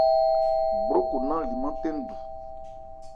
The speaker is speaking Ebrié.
Gbrokò nnán limán ntɛnndu.